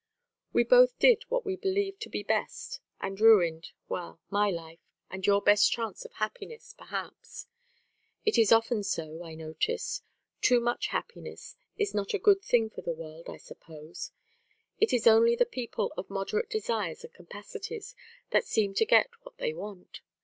"We both did what we believed to be best, and ruined well, my life, and your best chance of happiness, perhaps. It is often so, I notice. Too much happiness is not a good thing for the world, I suppose. It is only the people of moderate desires and capacities that seem to get what they want.